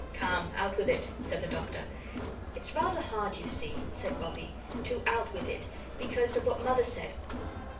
"Come, out with it," said the Doctor. "It's rather hard, you see," said Bobbie, "to out with it; because of what Mother said."